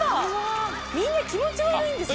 みんな気持ち悪いんですよ。